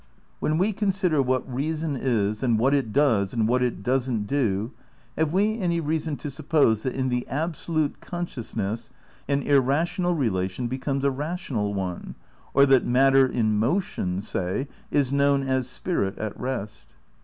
When we con sider what reason is and what it does and what it doesn't do, have we any reason to suppose that in the Absolute consciousness an irrational relation becomes a rational one, or that matter in motion, say, is known as spirit at rest?